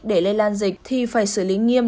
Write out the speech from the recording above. để lây lan dịch thì phải xử lý nghiêm